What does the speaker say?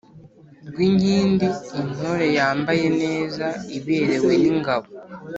rwinkindi: intore yambaye neza, iberewe n’ingabo